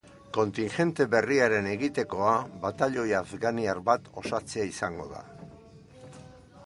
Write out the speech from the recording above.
Kontingente berriaren egitekoa batailoi afganiar bat osatzea izango da.